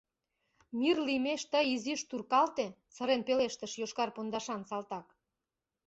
— Мир лиймеш тый изиш туркалте! — сырен пелештыш йошкар пондашан салтак.